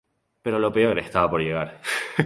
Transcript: Pero lo peor estaba por llegar.